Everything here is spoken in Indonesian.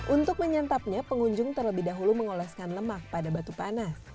untuk menyantapnya pengunjung terlebih dahulu mengoleskan lemak pada batu panas